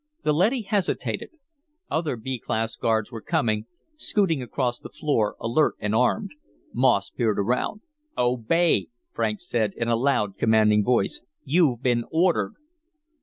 The leady hesitated. Other B class guards were coming, scooting across the floor, alert and alarmed. Moss peered around. "Obey!" Franks said in a loud, commanding voice. "You've been ordered!"